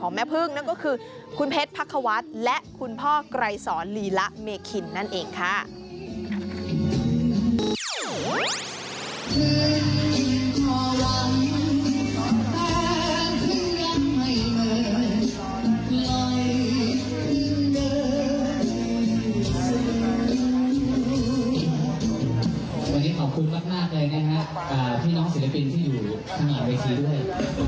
ขอบคุณมากมากเลยนะฮะอ่าพี่น้องศิลปินที่อยู่ข้างหลังเวสีด้วย